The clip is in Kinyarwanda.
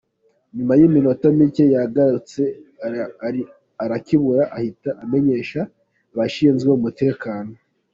Nyuma y’iminota mike yaragarutse arakibura ahita amenyesha abashinzwe umutekano.